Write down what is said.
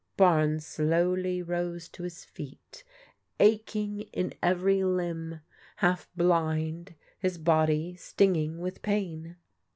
Barnes slowly rose to his feet, aching in every limb, half blind, his body stinging with pain.